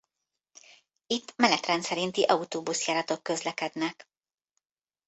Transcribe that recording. Itt menetrend szerinti autóbusz-járatok közlekednek.